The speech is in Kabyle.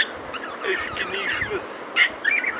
Ayefki-nni yecmet.